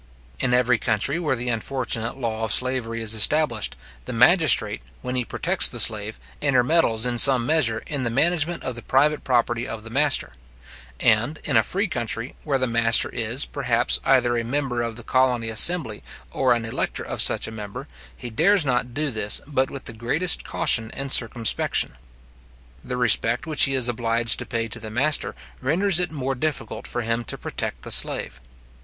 In every country where the unfortunate law of slavery is established, the magistrate, when he protects the slave, intermeddles in some measure in the management of the private property of the master; and, in a free country, where the master is, perhaps, either a member of the colony assembly, or an elector of such a member, he dares not do this but with the greatest caution and circumspection. The respect which he is obliged to pay to the master, renders it more difficult for him to protect the slave.